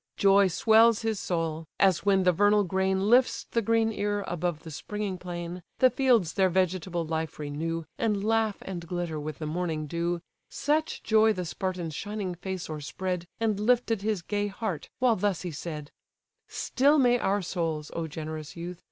Joy swells his soul: as when the vernal grain Lifts the green ear above the springing plain, The fields their vegetable life renew, And laugh and glitter with the morning dew; Such joy the Spartan's shining face o'erspread, And lifted his gay heart, while thus he said: "Still may our souls, O generous youth!